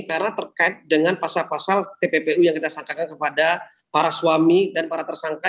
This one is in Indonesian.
karena terkait dengan pasal pasal tppu yang kita sangkakan kepada para suami dan para tersangka